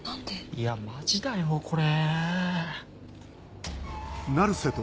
いやマジだよこれ。